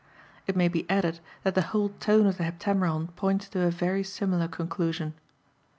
It may be added that the whole tone of the Heptameron points to a very similar conclusion.